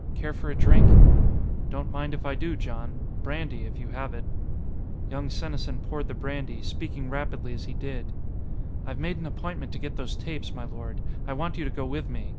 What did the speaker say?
Care for a drink?" "Don't mind if I do, Jon. Brandy, if you have it." Young Senesin poured the brandy, speaking rapidly as he did. "I've made an appointment to get those tapes, my lord. I want you to go with me.